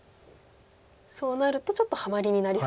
そうなるとちょっとハマリになりそうな。